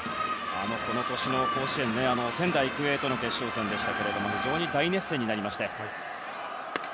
この年の甲子園は仙台育英との決勝戦でしたが非常に大熱戦になりまして。